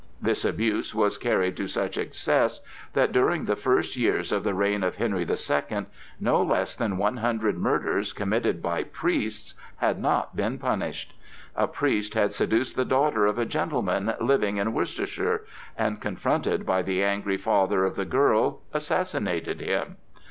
This abuse was carried to such excess that during the first years of the reign of Henry the Second no less than one hundred murders committed by priests had not been punished. A priest had seduced the daughter of a gentleman living in Worcestershire, and, confronted by the angry father of the girl, assassinated him.